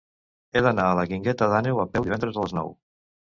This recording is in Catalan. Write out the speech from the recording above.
He d'anar a la Guingueta d'Àneu a peu divendres a les nou.